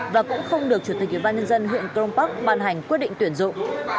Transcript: và cũng không được chủ tịch ủy ban nhân dân huyện crong park bàn hành quyết định tuyển dụng